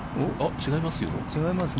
違いますよ。